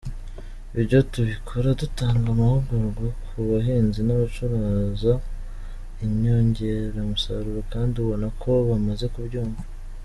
Ibyo tubikora dutanga amahugurwa ku bahinzi n’abacuruza inyongeramusaruro kandi ubona ko bamaze kubyumva .